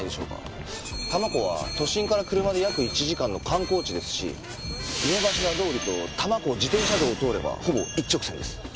多摩湖は都心から車で約１時間の観光地ですし井ノ頭通りと多摩湖自転車道を通ればほぼ一直線です。